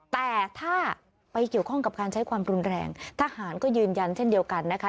แต่ถ้าไปเกี่ยวข้องกับการใช้ความรุนแรงทหารก็ยืนยันเช่นเดียวกันนะคะ